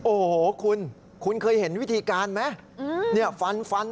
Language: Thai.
โอ้โหคุณคุณเคยเห็นวิธีการไหมฟันฟัน